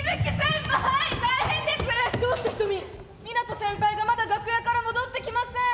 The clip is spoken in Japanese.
湊斗先輩がまだ楽屋から戻ってきません。